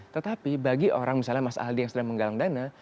tetapi bagi orang misalnya mas aldi yang sedang menggalang dana